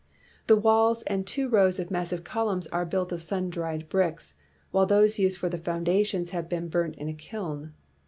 The walls and two rows of massive columns are built of sun dried bricks, while those used for the foundations have been burnt in a kiln.